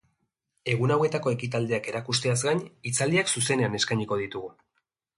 Egun hauetako ekitaldiak erakusteaz gain, hitzaldiak zuzenean eskainiko ditugu.